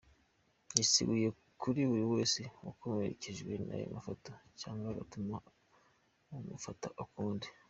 Yiseguye kuri buri wese wakomerekejwe n'ayo mafoto cyangwa agatuma amufata ukundi.